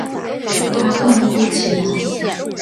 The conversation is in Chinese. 他痛哭起来